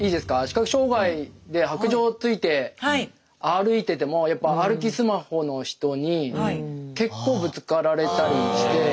視覚障害で白杖をついて歩いててもやっぱ歩きスマホの人に結構ぶつかられたりして。